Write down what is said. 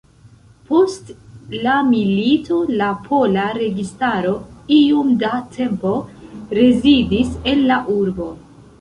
Post la milito la pola registaro iom da tempo rezidis en la urbo.